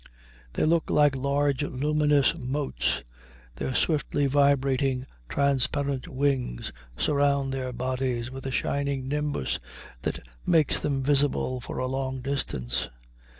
They look like large luminous motes. Their swiftly vibrating, transparent wings surround their bodies with a shining nimbus that makes them visible for a long distance.